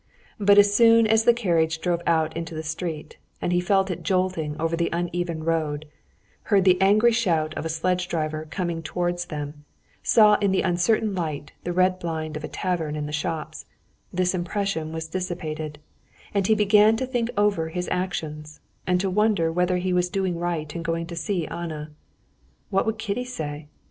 But as soon as the carriage drove out into the street, and he felt it jolting over the uneven road, heard the angry shout of a sledge driver coming towards them, saw in the uncertain light the red blind of a tavern and the shops, this impression was dissipated, and he began to think over his actions, and to wonder whether he was doing right in going to see Anna. What would Kitty say?